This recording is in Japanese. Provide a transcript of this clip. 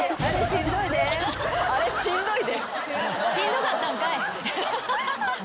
しんどかったんかい。